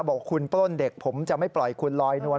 บอกคุณปล้นเด็กผมจะไม่ปล่อยคุณลอยนวล